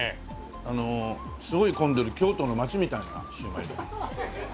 あのすごい混んでる京都の街みたいなシューマイ。